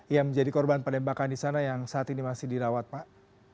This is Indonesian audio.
yang menjadi korban penembakan di sana yang saat ini masih dirawat pak